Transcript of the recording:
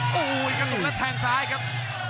กระตุ๊กและแทนซ้ายครับ